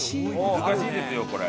難しいですよこれ。